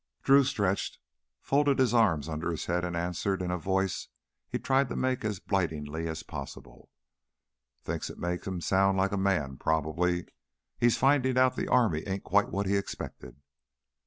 Drew stretched, folded his arms under his head, and answered, in a voice he tried to make as blighting as possible: "Thinks it makes him sound like a man, probably. He's findin' out the army ain't quite what he expected."